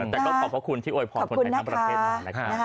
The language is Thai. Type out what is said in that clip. แต่ก็ขอบคุณที่โวยพรคนไทยทั้งประเทศมา